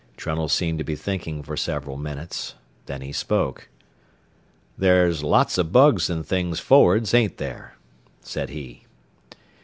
Trunnell seemed to be thinking for several minutes. Then he spoke. "There's lots o' bugs an' things forrads, ain't there?" said he.